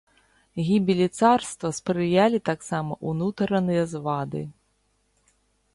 Гібелі царства спрыялі таксама ўнутраныя звады.